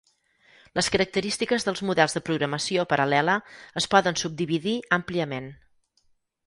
Les característiques dels models de programació paral·lela es poden subdividir àmpliament.